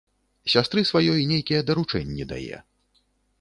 Сястры сваёй нейкія даручэнні дае.